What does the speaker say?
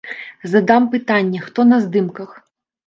Задам пытанне, хто на здымках.